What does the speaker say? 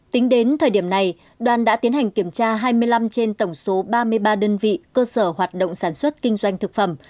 tính đến thời điểm này đoàn đã tiến hành kiểm tra hai mươi năm trên tổng số ba mươi ba đơn vị cơ sở hoạt động sản xuất kinh doanh thực phẩm